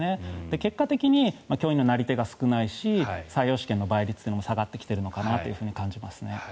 結果的に教員のなり手が少ないし採用試験の倍率も下がってきているのかなと感じますね。